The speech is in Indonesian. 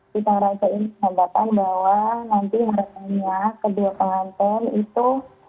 pisang raja ini mendatang bahwa nanti ngerjainnya kedua pengantin itu